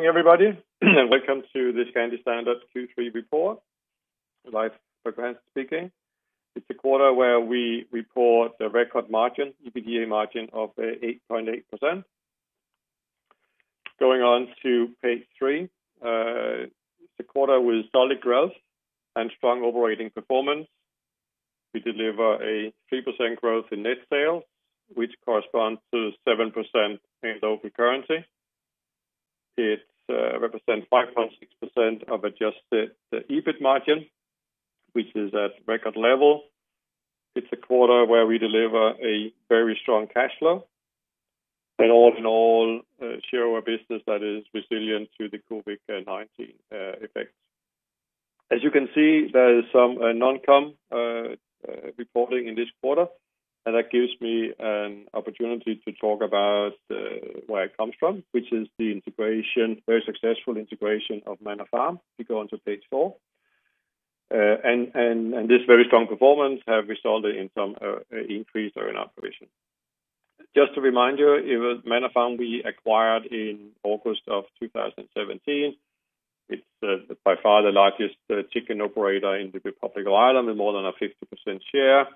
Morning, everybody, welcome to the Scandi Standard Q3 report. Leif Bergvall Hansen speaking. It's a quarter where we report a record margin, EBITDA margin of 8.8%. Going on to page three, it's a quarter with solid growth and strong operating performance. We deliver a 3% growth in net sales, which corresponds to 7% in local currency. It represents 5.6% of Adjusted EBIT margin, which is at record level. It's a quarter where we deliver a very strong cash flow, and all in all, share a business that is resilient to the COVID-19 effects. As you can see, there is some non-recurring reporting in this quarter, and that gives me an opportunity to talk about where it comes from, which is the very successful integration of Manor Farm. We go on to page four. This very strong performance have resulted in some increase in our operation. Just to remind you, Manor Farm we acquired in August of 2017. It's by far the largest chicken operator in the Republic of Ireland, with more than a 50% share.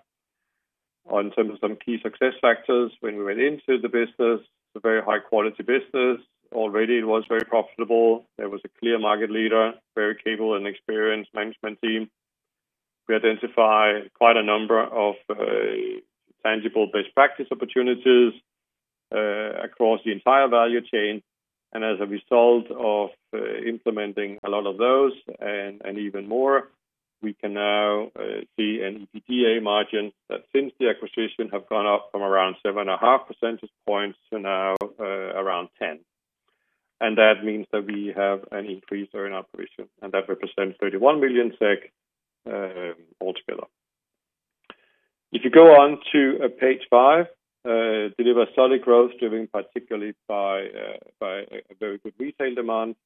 On terms of some key success factors when we went into the business, it's a very high-quality business. Already, it was very profitable. There was a clear market leader, very capable and experienced management team. We identify quite a number of tangible best practice opportunities across the entire value chain. As a result of implementing a lot of those and even more, we can now see an EBITDA margin that since the acquisition, have gone up from around 7.5 percentage points to now around 10. That means that we have an increase in our operation, and that represents 31 million SEK altogether. If you go on to page five, deliver solid growth driven particularly by a very good retail demand.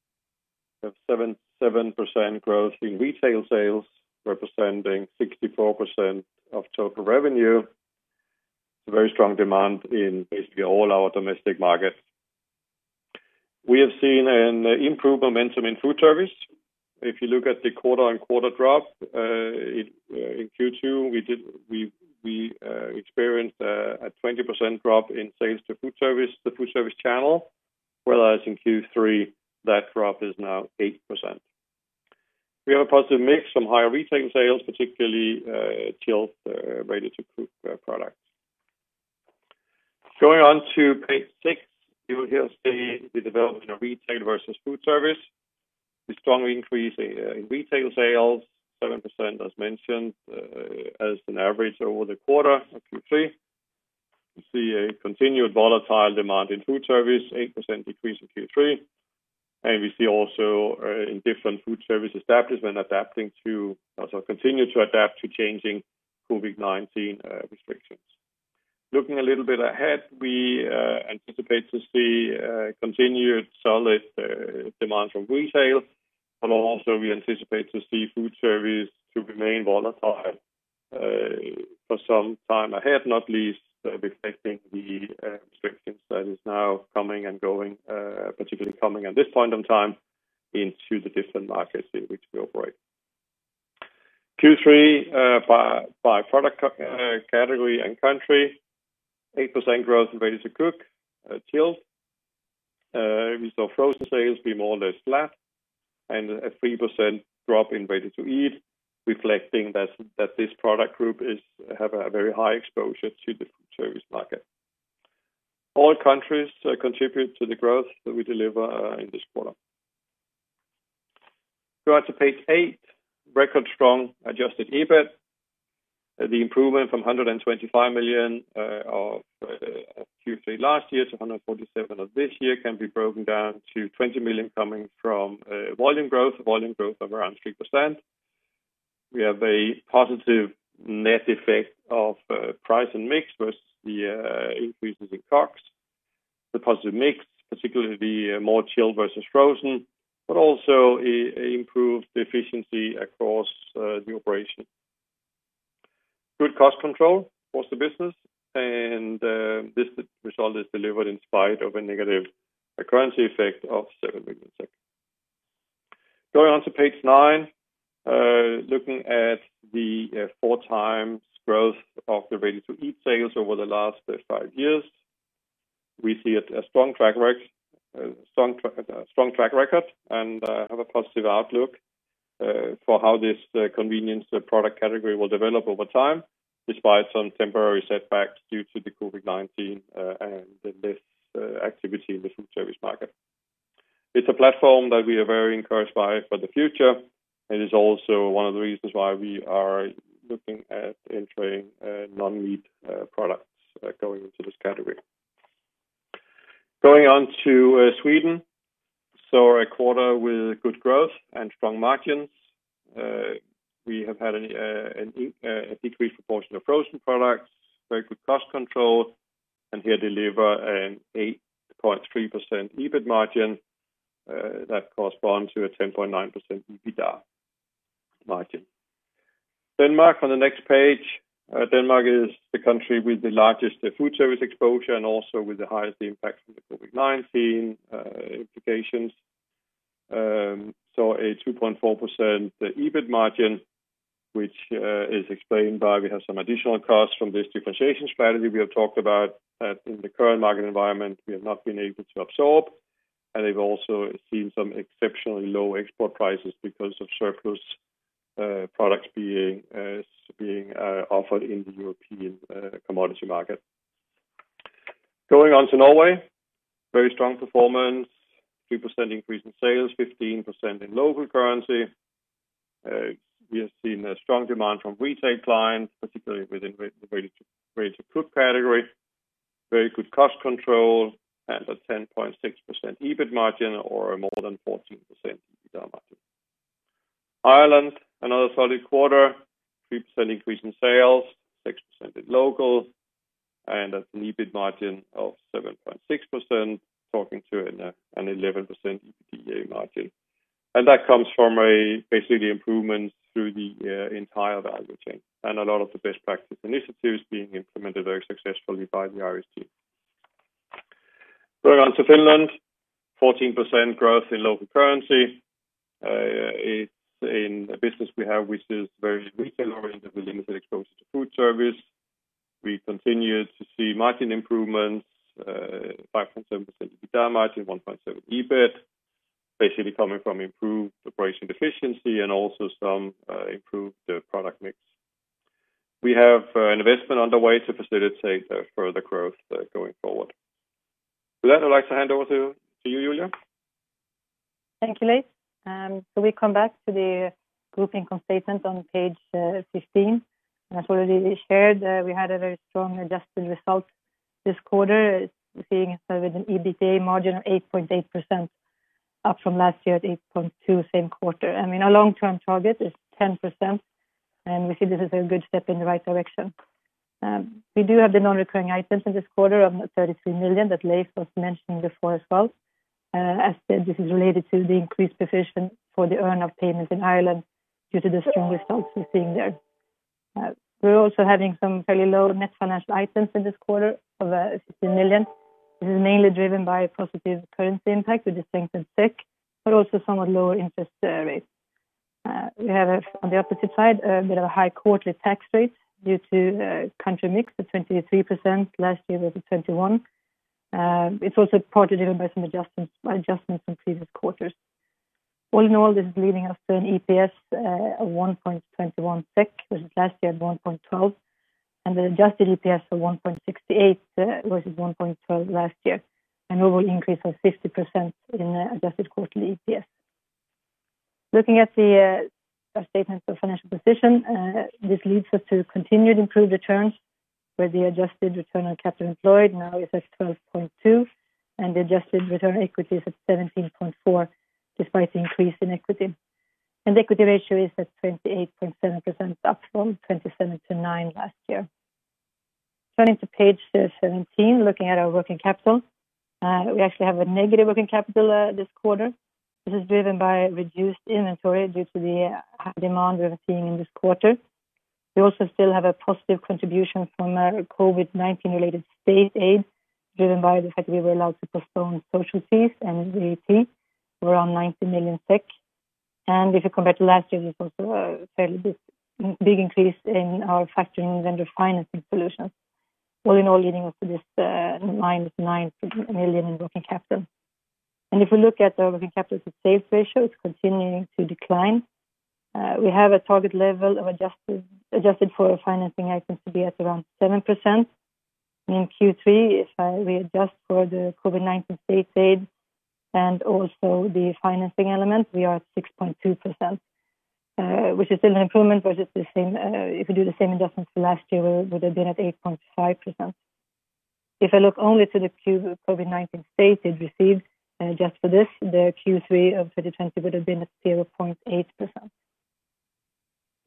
We have 7% growth in retail sales, representing 64% of total revenue. It's a very strong demand in basically all our domestic markets. We have seen an improved momentum in food service. If you look at the quarter-on-quarter drop, in Q2, we experienced a 20% drop in sales to food service, the food service channel, whereas in Q3, that drop is now 8%. We have a positive mix, some higher retail sales, particularly chilled, Ready-to-cook products. Going on to page six, you will here see the development of retail versus food service. The strong increase in retail sales, 7% as mentioned, as an average over the quarter of Q3. We see a continued volatile demand in food service, 8% decrease in Q3. We see also in different food service establishments continue to adapt to changing COVID-19 restrictions. Looking a little bit ahead, we anticipate to see a continued solid demand from retail, but also we anticipate to see food service to remain volatile for some time ahead, not least reflecting the restrictions that is now coming and going, particularly coming at this point in time, into the different markets in which we operate. Q3 by product category and country, 8% growth in Ready-to-cook, chilled. We saw frozen sales be more or less flat and a 3% drop in Ready-to-eat, reflecting that this product group has a very high exposure to the food service market. All countries contribute to the growth that we deliver in this quarter. Go on to page eight, record strong Adjusted EBIT. The improvement from 125 million of Q3 last year to 147 of this year can be broken down to 20 million coming from volume growth of around 3%. We have a positive net effect of price and mix versus the increases in COGS. The positive mix, particularly the more chilled versus frozen, also improved efficiency across the operation. Good cost control across the business, this result is delivered in spite of a negative currency effect of 7 million. Going on to page nine, looking at the four times growth of the Ready-to-eat sales over the last five years. We see a strong track record and have a positive outlook for how this convenience product category will develop over time, despite some temporary setbacks due to the COVID-19 and less activity in the food service market. It's a platform that we are very encouraged by for the future, and is also one of the reasons why we are looking at entering non-meat products going into this category. Going on to Sweden. A quarter with good growth and strong margins. We have had a decreased proportion of frozen products, very good cost control, and here deliver an 8.3% EBIT margin that corresponds to a 10.9% EBITDA margin. Denmark on the next page. Denmark is the country with the largest food service exposure and also with the highest impact from the COVID-19 implications. A 2.4% EBIT margin, which is explained by, we have some additional costs from this differentiation strategy we have talked about. In the current market environment, we have not been able to absorb, and we've also seen some exceptionally low export prices because of surplus products being offered in the European commodity market. Going on to Norway, very strong performance, 3% increase in sales, 15% in local currency. We have seen a strong demand from retail clients, particularly within Ready-to-cook category. Very good cost control and a 10.6% EBIT margin or a more than 14% EBITDA margin. Ireland, another solid quarter, 3% increase in sales, 6% in local, and an EBIT margin of 7.6%, talking to an 11% EBITDA margin. That comes from basically improvements through the entire value chain and a lot of the best practice initiatives being implemented very successfully by the Irish team. Going on to Finland, 14% growth in local currency. It's in a business we have, which is very retail-oriented with limited exposure to food service. We continue to see margin improvements, 5.7% EBITDA margin, 1.7% EBIT, basically coming from improved operation efficiency and also some improved product mix. We have investment underway to facilitate further growth going forward. With that, I'd like to hand over to you, Julia. Thank you, Leif. We come back to the grouping statement on page 15. As already shared, we had a very strong adjusted result this quarter, seeing with an EBITDA margin of 8.8%, up from last year at 8.2% same quarter. I mean our long-term target is 10%, and we see this as a good step in the right direction. We do have the non-recurring items in this quarter of 31 million that Leif was mentioning before as well. As said, this is related to the increased provision for the earnout payments in Ireland due to the strong results we're seeing there. We're also having some fairly low net financial items in this quarter of 15 million. This is mainly driven by positive currency impact with the strength in SEK, but also somewhat lower interest rates. We have, on the opposite side, a bit of a high quarterly tax rate due to country mix of 23%. Last year it was at 21%. It's also partly driven by some adjustments in previous quarters. All in all, this is leading us to an EPS of 1.21 SEK versus last year at 1.12, and the Adjusted EPS of 1.68 versus 1.12 last year, an overall increase of 50% in Adjusted quarterly EPS. Looking at the statement of financial position, this leads us to continued improved returns where the Adjusted Return on Capital employed now is at 12.2% and the Adjusted Return Equity is at 17.4% despite the increase in equity. Equity ratio is at 28.7%, up from 27.9% last year. Turning to page 17, looking at our working capital. We actually have a negative working capital this quarter. This is driven by reduced inventory due to the high demand we are seeing in this quarter. We also still have a positive contribution from COVID-19-related state aid, driven by the fact that we were allowed to postpone social fees and VAT of around 90 million SEK. If you compare to last year, there's also a fairly big increase in our factoring vendor financing solutions. All in all, leading us to this -9 million in working capital. If we look at our working capital to sales ratio, it's continuing to decline. We have a target level of adjusted for financing items to be at around 7%. In Q3, if we adjust for the COVID-19 state aid and also the financing element, we are at 6.2%, which is still an improvement versus if we do the same adjustments for last year, we would have been at 8.5%. If I look only to the COVID-19 state aid received, just for this, the Q3 of 2020 would have been at 0.8%.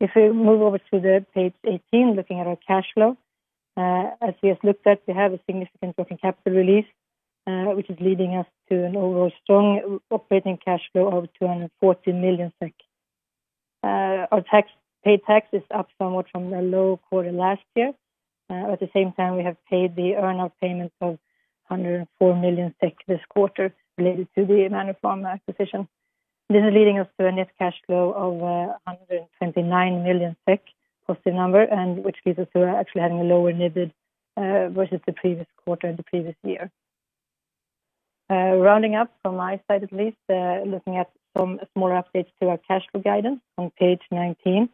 If we move over to page 18, looking at our cash flow. As we have looked at, we have a significant working capital release, which is leading us to an overall strong operating cash flow of 240 million SEK. Our paid tax is up somewhat from the low quarter last year. At the same time, we have paid the earnout payments of 104 million SEK this quarter related to the Manor Farm acquisition. This is leading us to a net cash flow of 129 million SEK positive number. Which gives us actually having a lower NIBD versus the previous quarter and the previous year. Rounding up from my side, at least, looking at some small updates to our cash flow guidance on page 19.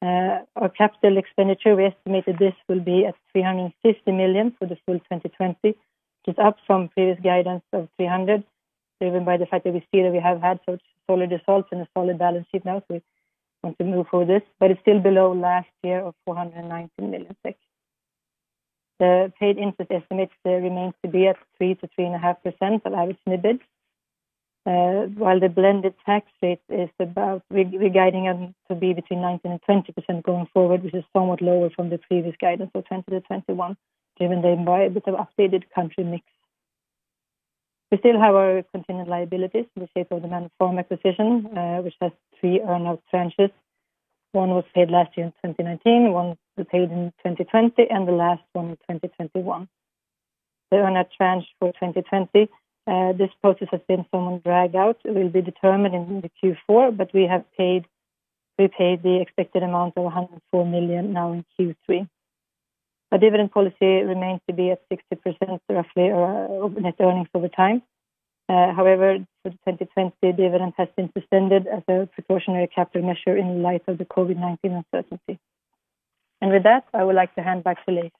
Our capital expenditure, we estimated this will be at 350 million for the full 2020, which is up from previous guidance of 300, driven by the fact that we see that we have had such solid results and a solid balance sheet now. We want to move for this, but it's still below last year of 490 million. The paid interest estimates remains to be at 3% to 3.5% of average NIBD. While, we're guiding to be between 19% to 20% going forward, which is somewhat lower from the previous guidance of 20% to 21%, given the environment of updated country mix. We still have our contingent liabilities in the shape of the Manor Farm acquisition, which has three earn-out tranches. One was paid last year in 2019, one we paid in 2020, and the last one in 2021. The earn-out tranche for 2020, this process has been somewhat dragged out, it will be determined in the Q4, but we have paid the expected amount of 104 million now in Q3. Our dividend policy remains to be at 60% roughly our net earnings over time. For the 2020 dividend has been suspended as a precautionary capital measure in light of the COVID-19 uncertainty. With that, I would like to hand back to Leif.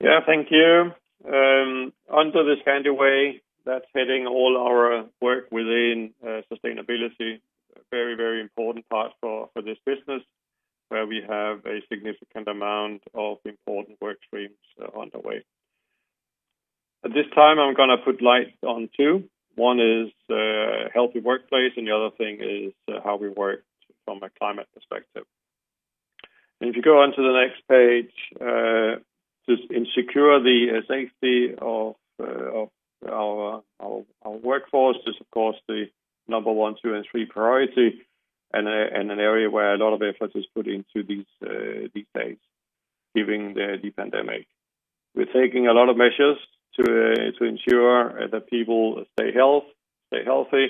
Yeah, thank you. Under The Scandi Way, that's heading all our work within sustainability. A very important part for this business, where we have a significant amount of important work streams underway. At this time, I'm going to put light on two. One is a healthy workplace, and the other thing is how we work from a climate perspective. If you go on to the next page, to ensure the safety of our workforce is, of course, the number one, two, and three priority, and an area where a lot of effort is put into these days during this pandemic. We're taking a lot of measures to ensure that people stay healthy,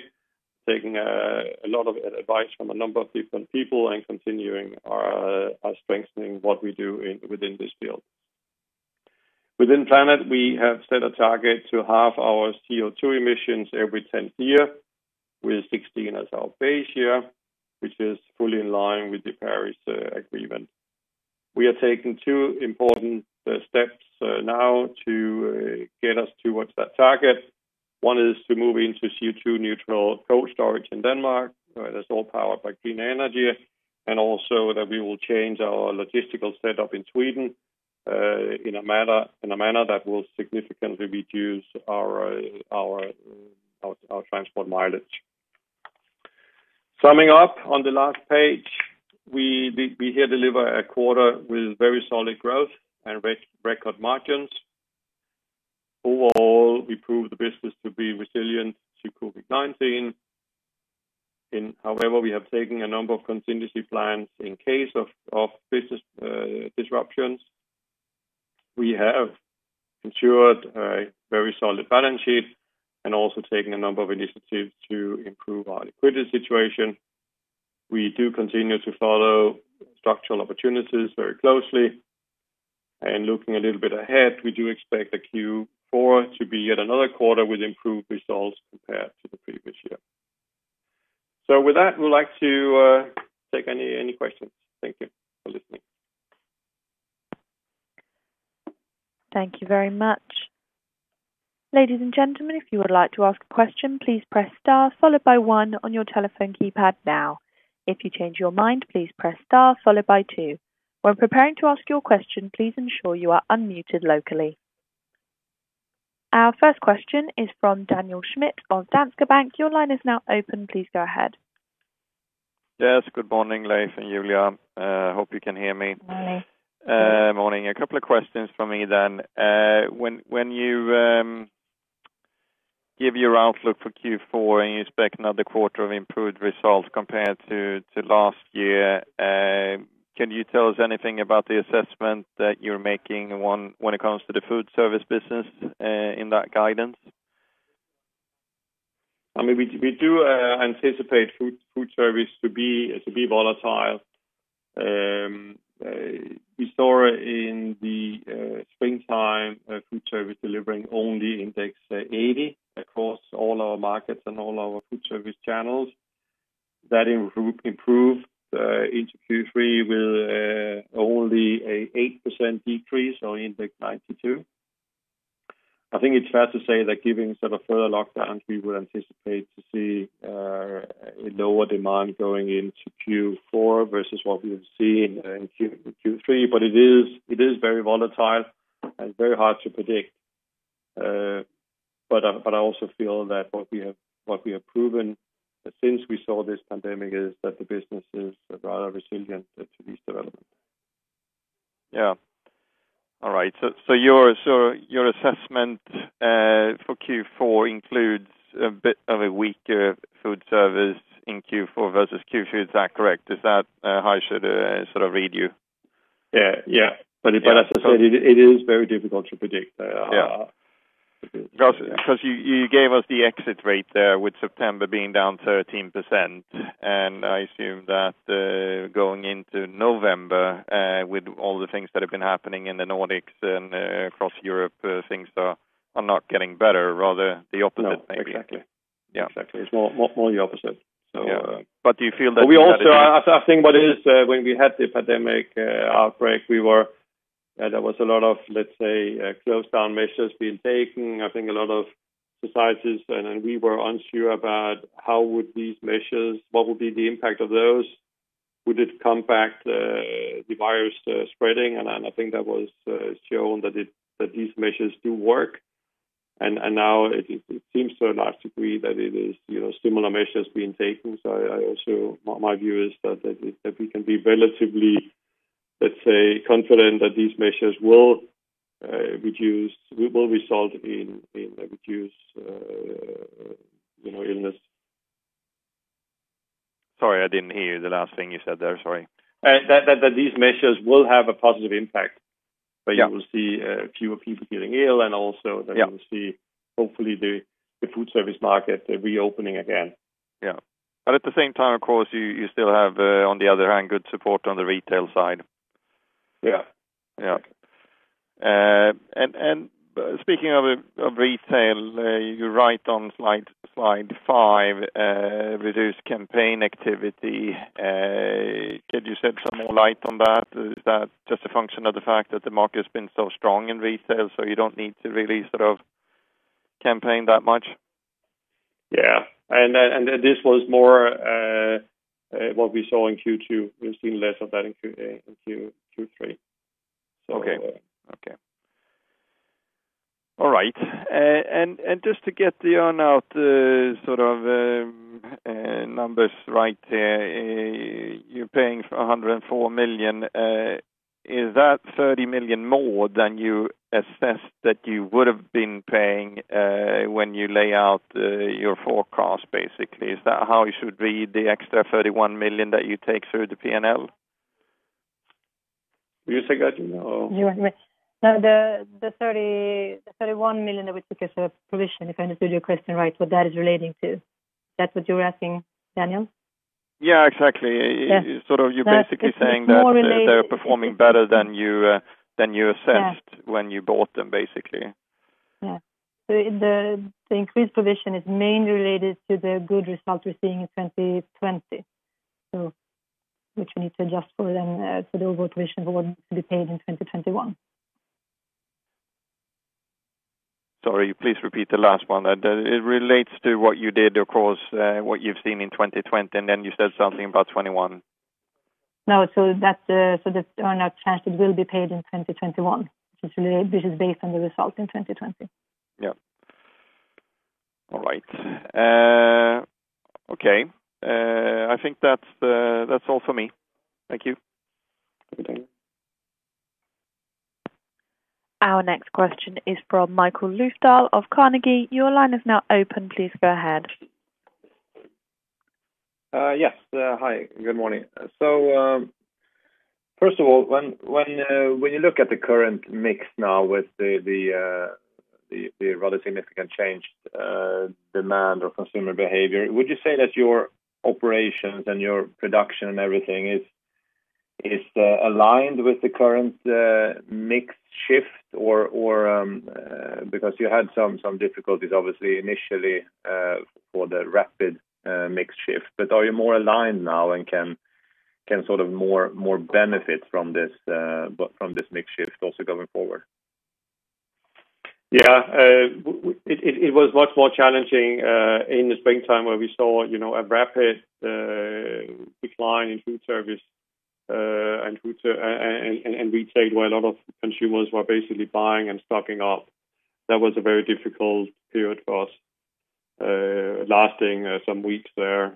taking a lot of advice from a number of different people, and continuing our strengthening what we do within this field. Within planet, we have set a target to halve our CO2 emissions every 10th year, with 2016 as our base year, which is fully in line with the Paris Agreement. We are taking two important steps now to get us towards that target. One is to move into CO2 neutral cold storage in Denmark. That's all powered by clean energy, and also that we will change our logistical setup in Sweden, in a manner that will significantly reduce our transport mileage. Summing up on the last page, we here deliver a quarter with very solid growth and record margins. Overall, we prove the business to be resilient to COVID-19. However, we have taken a number of contingency plans in case of business disruptions. We have ensured a very solid balance sheet and also taken a number of initiatives to improve our liquidity situation. We do continue to follow structural opportunities very closely. Looking a little bit ahead, we do expect the Q4 to be yet another quarter with improved results compared to the previous year. With that, we'd like to take any questions. Thank you for listening. Thank you very much. Ladies and gentlemen, if you would like to ask a question, please press star followed by one on your telephone keypad now. If you change your mind, please press star followed by two. When preparing to ask your question, please ensure you are unmuted locally. Our first question is from Daniel Schmidt of Danske Bank. Your line is now open. Please go ahead. Yes. Good morning, Leif and Julia. Hope you can hear me. Morning. Morning. A couple of questions from me, then. When you give your outlook for Q4 and you expect another quarter of improved results compared to last year, can you tell us anything about the assessment that you're making when it comes to the food service business in that guidance? We do anticipate food service to be volatile. We saw in the springtime food service delivering only index 80 across all our markets and all our food service channels. That improved into Q3 with only an 8% decrease on index 92. I think it's fair to say that given further lockdowns, we would anticipate to see a lower demand going into Q4 versus what we have seen in Q3. It is very volatile and very hard to predict. I also feel that what we have proven since we saw this pandemic is that the business is rather resilient to these developments. Yeah. All right. Your assessment for Q4 includes a bit of a weaker food service in Q4 versus Q3. Is that correct? Is that how I should read you? Yeah. As I said, it is very difficult to predict. Yeah. You gave us the exit rate there with September being down 13%. I assume that going into November, with all the things that have been happening in the Nordics and across Europe, things are not getting better. Rather, the opposite, maybe. No, exactly. Yeah. Exactly. It's more the opposite. Yeah. I think when we had the pandemic outbreak, there was a lot of, let's say, closed down measures being taken. I think a lot of societies, we were unsure about what would be the impact of those. Would it combat the virus spreading? I think that was shown that these measures do work. Now it seems to a large degree that it is similar measures being taken. Also my view is that we can be relatively, let's say, confident that these measures will result in reduced illness. Sorry, I didn't hear the last thing you said there. Sorry. These measures will have a positive impact. Yeah. You will see fewer people getting ill. Yeah. That you will see, hopefully, the food service market reopening again. Yeah. At the same time, of course, you still have, on the other hand, good support on the retail side. Yeah. Yeah. Speaking of retail, you write on slide five, reduced campaign activity. Could you shed some more light on that? Is that just a function of the fact that the market's been so strong in retail, so you don't need to really sort of campaign that much? Yeah. This was more, what we saw in Q2. We've seen less of that in Q3. Okay. All right. Just to get the earn-out sort of numbers right here, you're paying 104 million. Is that 30 million more than you assessed that you would've been paying, when you lay out your forecast, basically? Is that how you should read the extra 31 million that you take through the P&L? Would you say that, Julia, or? You want me? No, the 31 million that we took as a provision, if I understood your question, right, what that is relating to. That's what you were asking, Daniel? Yeah, exactly. Yes. You're basically saying that. It's more related. They're performing better than you assessed. Yeah. When you bought them, basically. Yeah. The increased provision is mainly related to the good results we're seeing in 2020, which we need to adjust for then, for the over-provision for what will be paid in 2021. Sorry, please repeat the last one. It relates to what you did, of course, what you've seen in 2020, you said something about 2021. No, the earn-out charge that will be paid in 2021, which is based on the results in 2020. Yeah. All right. Okay. I think that's all for me. Thank you. Okay. Our next question is from Mikael Löfdahl of Carnegie. Your line is now open. Please go ahead. Yes. Hi, good morning. First of all, when you look at the current mix now with the rather significant change, demand or consumer behavior, would you say that your operations and your production and everything is aligned with the current mix shift? You had some difficulties obviously initially, for the rapid mix shift. Are you more aligned now and can sort of more benefit from this mix shift also going forward? It was much more challenging, in the springtime where we saw a rapid decline in food service, and retail where a lot of consumers were basically buying and stocking up. That was a very difficult period for us, lasting some weeks there.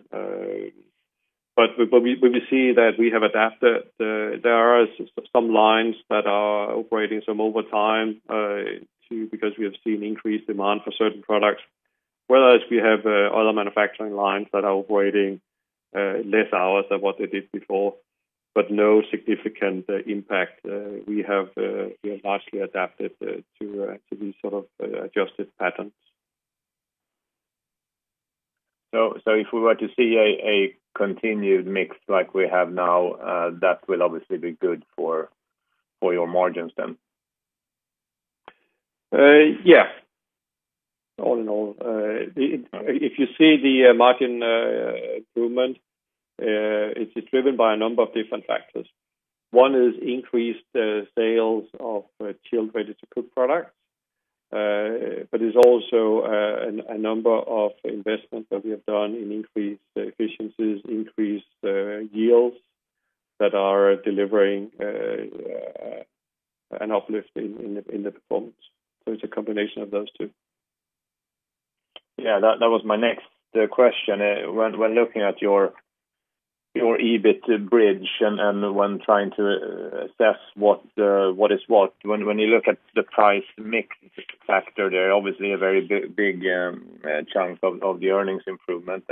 We see that we have adapted. There are some lines that are operating some overtime, too, because we have seen increased demand for certain products, whereas we have other manufacturing lines that are operating less hours than what they did before, but no significant impact. We have largely adapted to these sort of adjusted patterns. If we were to see a continued mix like we have now, that will obviously be good for your margins then? Yeah. All in all. If you see the margin improvement, it's driven by a number of different factors. One is increased sales of chilled ready-to-cook products, it's also a number of investments that we have done in increased efficiencies, increased yields that are delivering an uplift in the performance. It's a combination of those two. Yeah, that was my next question. When looking at your EBIT bridge and when trying to assess what is what, when you look at the price mix factor there, obviously a very big chunk of the earnings improvement.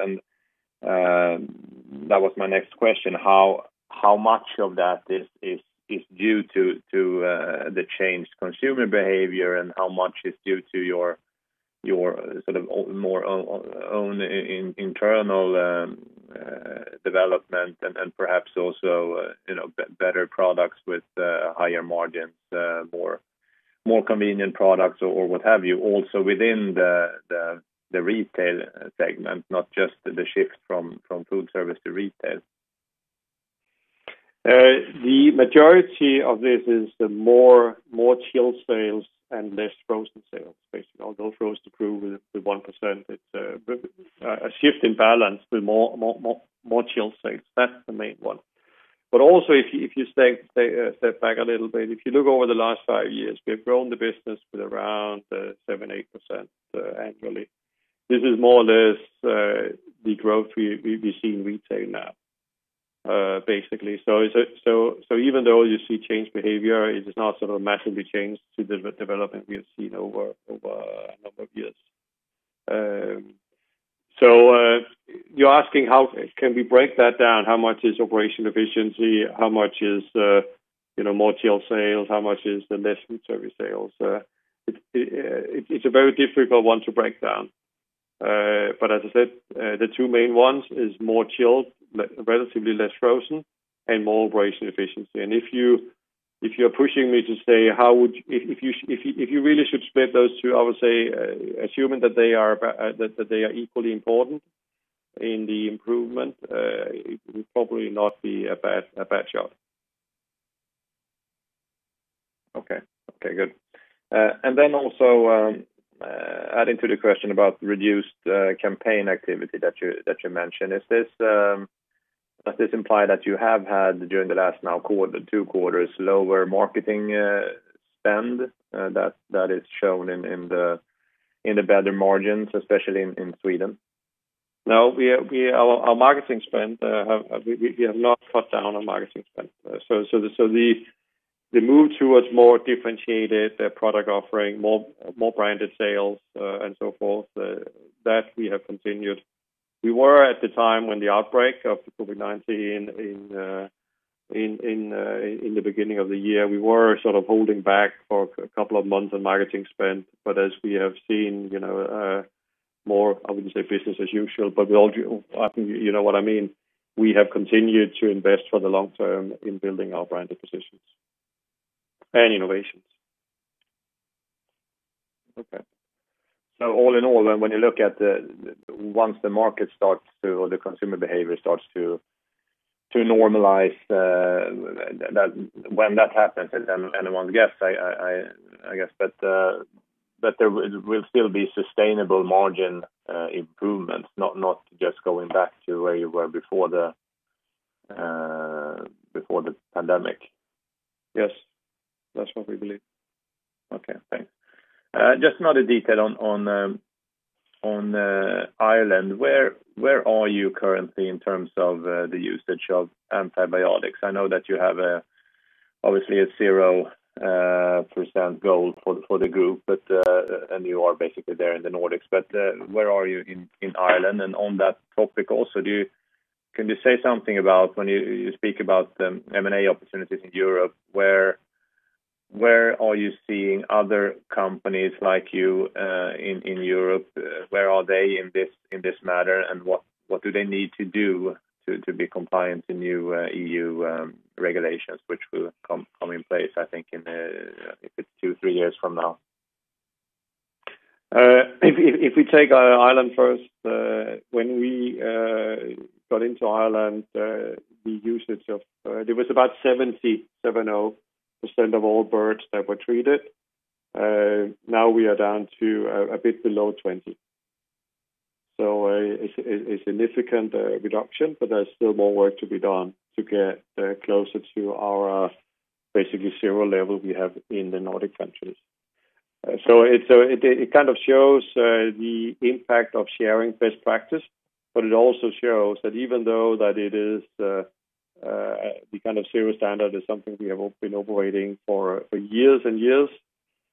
How much of that is due to the changed consumer behavior and how much is due to your sort of more own internal development and perhaps also better products with higher margins, more convenient products or what have you, also within the retail segment, not just the shift from food service to retail? The majority of this is the more chilled sales and less frozen sales, basically. Although frozen improved with 1%, it's a shift in balance with more chilled sales. That's the main one. Also if you step back a little bit, if you look over the last five years, we've grown the business with around 7% to 8% annually. This is more or less the growth we see in retail now, basically. Even though you see change behavior, it is not sort of massively changed to the development we have seen over a number of years. You're asking how can we break that down? How much is operational efficiency, how much is more chilled sales? How much is the less food service sales? It's a very difficult one to break down. As I said, the two main ones is more chilled, relatively less frozen, and more operational efficiency. If you're pushing me to say, if you really should split those two, I would say, assuming that they are equally important in the improvement, it would probably not be a bad shot. Okay, good. Adding to the question about reduced campaign activity that you mentioned, does this imply that you have had, during the last now two quarters, lower marketing spend, that is shown in the better margins, especially in Sweden? No, our marketing spend, we have not cut down on marketing spend. The move towards more differentiated product offering, more branded sales, and so forth, that we have continued. We were at the time when the outbreak of COVID-19 in the beginning of the year, we were sort of holding back for a couple of months on marketing spend. As we have seen, more, I wouldn't say business as usual, but you know what I mean. We have continued to invest for the long term in building our branded positions and innovations. Okay. All in all then, when you look at once the market starts to, or the consumer behavior starts to normalize, when that happens, and anyone's guess, I guess, but there will still be sustainable margin improvements not just going back to where you were before the pandemic. Yes. That's what we believe. Okay, thanks. Just another detail on Ireland. Where are you currently in terms of the usage of antibiotics? I know that you have obviously a 0% goal for the group, and you are basically there in the Nordics, but where are you in Ireland? On that topic also, can you say something about when you speak about M&A opportunities in Europe, where are you seeing other companies like you, in Europe? Where are they in this matter, and what do they need to do to be compliant in new EU regulations, which will come in place, I think it's two, three years from now. We take Ireland first, when we got into Ireland, the usage of, there was about 70% of all birds that were treated. We are down to a bit below 20. A significant reduction but there's still more work to be done to get closer to our basically zero level we have in the Nordic countries. It kind of shows the impact of sharing best practice, but it also shows that even though that it is the kind of zero standard is something we have been operating for years and years,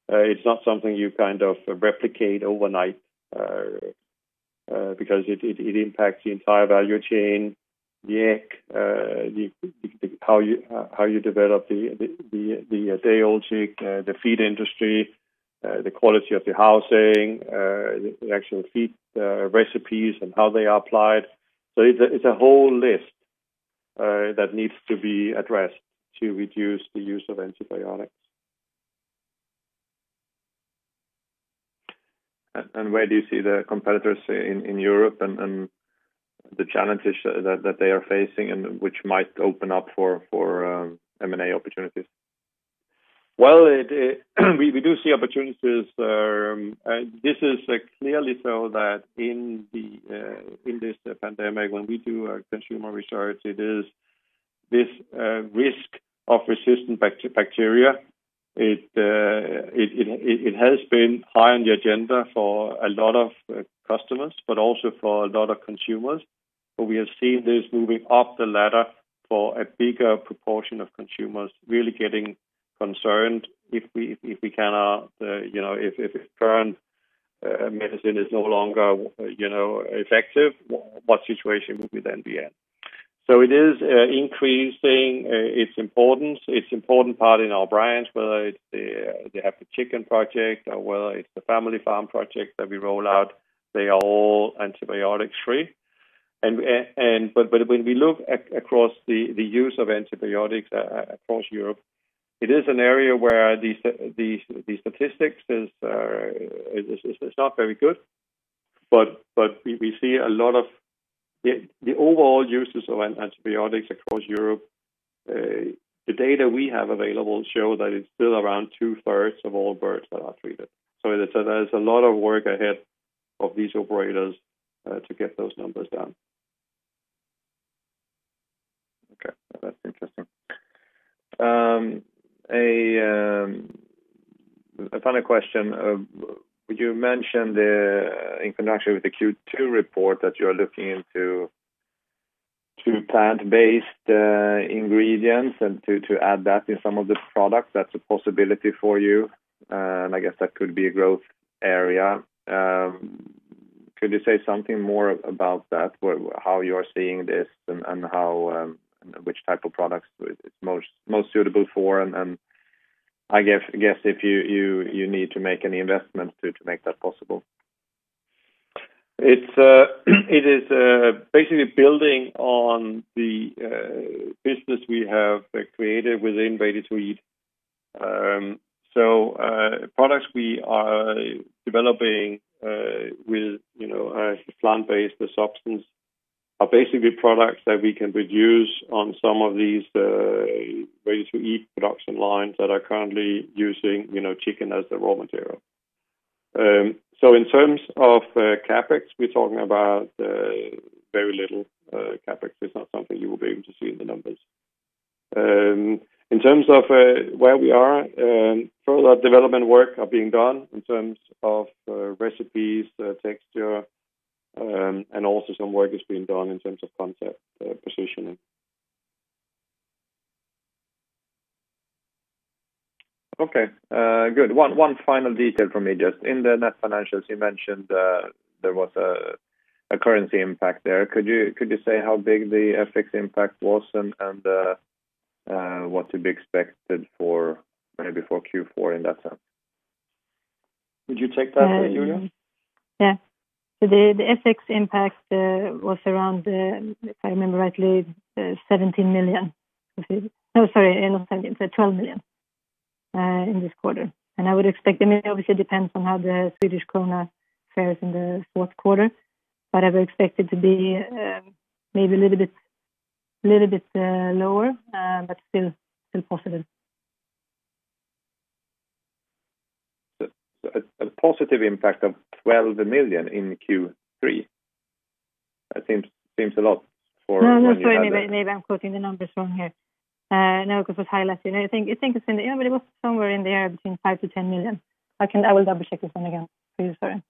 it's not something you kind of replicate overnight because it impacts the entire value chain, the egg, how you develop the day-old chick, the feed industry, the quality of the housing, the actual feed recipes and how they are applied. It's a whole list that needs to be addressed to reduce the use of antibiotics. Where do you see the competitors in Europe and the challenges that they are facing, and which might open up for M&A opportunities? We do see opportunities. This is clearly so that in this pandemic, when we do our consumer research, it is this risk of resistant bacteria. It has been high on the agenda for a lot of customers, but also for a lot of consumers. We have seen this moving up the ladder for a bigger proportion of consumers, really getting concerned if current medicine is no longer effective, what situation would we then be in? It is increasing its importance. It's important part in our brands, whether it's The Happy Chicken Project or whether it's the Family Farm that we roll out, they are all antibiotics free. When we look across the use of antibiotics across Europe, it is an area where the statistics is not very good. We see a lot of the overall uses of antibiotics across Europe. The data we have available show that it's still around two-thirds of all birds that are treated. There's a lot of work ahead of these operators, to get those numbers down. That's interesting. A final question, you mentioned in connection with the Q2 report that you're looking into two plant-based ingredients and to add that in some of the products, that's a possibility for you, and I guess that could be a growth area. Could you say something more about that? How you're seeing this and which type of products it's most suitable for and, I guess, if you need to make any investments to make that possible? It is basically building on the business we have created within Ready-to-eat. Products we are developing with the plant-based substance are basically products that we can produce on some of these Ready-to-eat production lines that are currently using chicken as the raw material. In terms of CapEx, we're talking about very little CapEx. It's not something you will be able to see in the numbers. In terms of where we are, further development work are being done in terms of recipes, texture, and also some work is being done in terms of concept positioning. Okay, good. One final detail from me. Just in the net financials you mentioned there was a currency impact there. Could you say how big the FX impact was and what to be expected maybe for Q4 in that sense? Could you take that one, Julia? Yeah. The FX impact was around, if I remember rightly, 17 million. No, sorry, not SEK 17 million, 12 million in this quarter. I would expect, obviously it depends on how the Swedish krona fares in the fourth quarter, but I would expect it to be maybe a little bit lower, but still positive. A positive impact of 12 million in Q3? That seems a lot for- No, sorry, maybe I'm quoting the numbers wrong here. Now, because I've highlighted, I think it was somewhere in there between 5 million to 10 million. I will double-check this one again. Really sorry.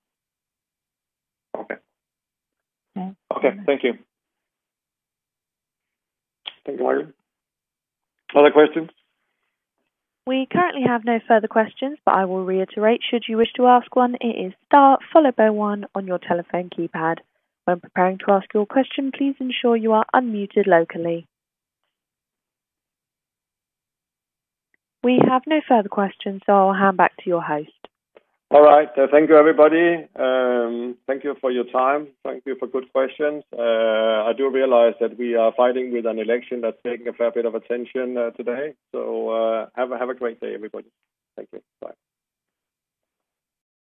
Okay. Thank you. Thank you. Other questions? We currently have no further questions. I will reiterate, should you wish to ask one, it is star followed by one on your telephone keypad. When preparing to ask your question, please ensure you are unmuted locally. We have no further questions. I'll hand back to your host. All right. Thank you, everybody. Thank you for your time. Thank you for good questions. I do realize that we are fighting with an election that's taking a fair bit of attention today. Have a great day, everybody. Thank you. Bye.